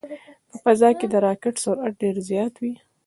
په فضا کې د راکټ سرعت ډېر زیات وي.